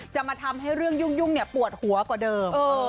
จะมาทำให้เรื่องยุ่งปวดหัวกว่าเดิม